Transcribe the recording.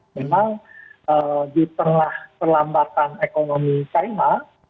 memang di tengah perlambatan ekonomi china